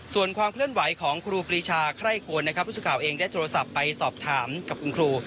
ส่วนความเคลื่อนไหวของครูปรีชาไคร่ควรนะครับผู้สื่อข่าวเองได้โทรศัพท์ไปสอบถามกับคุณครู